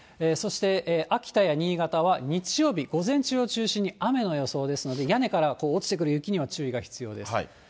そして秋田や新潟は、日曜日、午前中を中心に雨の予想ですので、屋根から落ちてくる雪には注意が必要です。